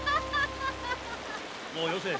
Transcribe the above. もうよせ。